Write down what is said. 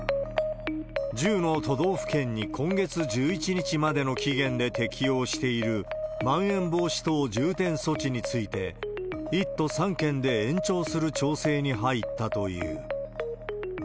１０の都道府県に今月１１日までの期限で適用しているまん延防止等重点措置について、１都３県で延長する調整に入ったという。